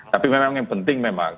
tapi memang yang penting memang